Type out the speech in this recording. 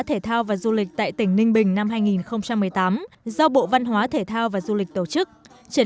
thể thao và du lịch tại tỉnh ninh bình năm hai nghìn một mươi tám do bộ văn hóa thể thao và du lịch tổ chức triển